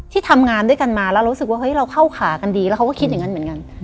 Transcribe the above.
ทำงานด้วยกันมาแล้วรู้สึกว่าเฮ้ยเราเข้าขากันดีแล้วเขาก็คิดอย่างนั้นเหมือนกัน